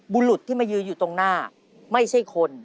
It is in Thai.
บุรุษที่มายืนอยู่ตรงหน้าไม่ใช่คน